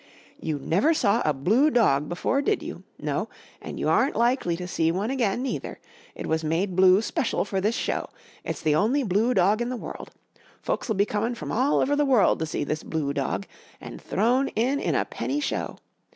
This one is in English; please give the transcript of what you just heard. "You never saw a blue dog before, did you? No, and you aren't likely to see one again, neither. It was made blue special for this show. It's the only blue dog in the world. Folks'll be comin' from all over the world to see this blue dog an' thrown in in a penny show!